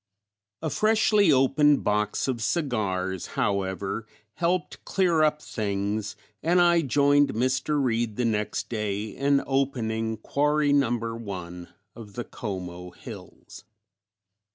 A freshly opened box of cigars, however, helped clear up things, and I joined Mr. Reed the next day in opening "Quarry No. 1" of the Como hills.